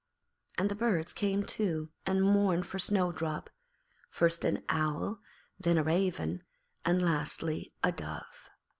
And the birds came too and mourned for Snowdrop, first an owl, then a raven, and lastly a dove.